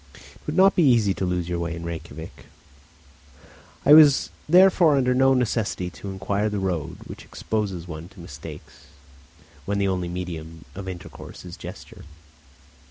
It would not be easy to lose your way in Rejkiavik. I was therefore under no necessity to inquire the road, which exposes one to mistakes when the only medium of intercourse is gesture.